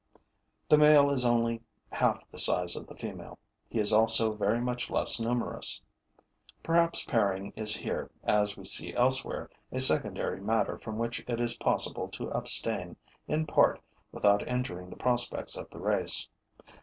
The male is only half the size of the female; he is also very much less numerous. Perhaps pairing is here, as we see elsewhere, a secondary matter from which it is possible to abstain, in part, without injuring the prospects of the race.